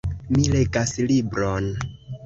Mi legas libron.